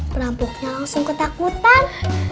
perampoknya langsung ketakutan